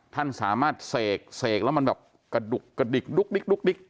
ท่านสามารถเสกเสกแล้วมันแบบกระดุกกระดิกดุ๊กดิ๊ก